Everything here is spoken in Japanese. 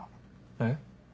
えっ？